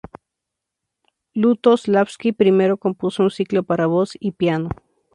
Lutosławski primero compuso un ciclo para voz y piano.